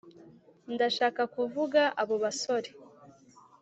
ndashaka kuvuga abo basore